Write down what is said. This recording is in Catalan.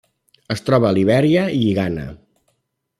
Es troba a Libèria i Ghana.